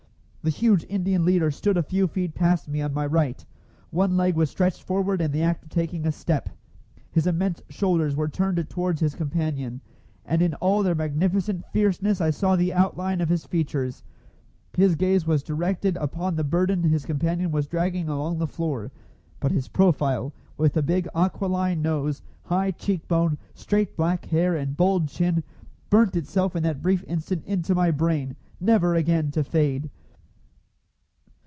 The huge Indian leader stood a few feet past me on my right. One leg was stretched forward in the act of taking a step. His immense shoulders were turned toward his companion, and in all their magnificent fierceness I saw the outline of his features. His gaze was directed upon the burden his companion was dragging along the floor; but his profile, with the big aquiline nose, high cheek bone, straight black hair and bold chin, burnt itself in that brief instant into my brain, never again to fade.